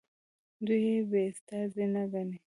دوی یې استازي نه ګڼي.